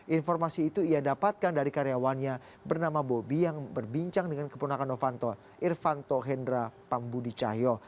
informasi itu ia dapatkan dari karyawannya bernama bobi yang berbincang dengan keponakan novanto irvanto hendra pambudicahyo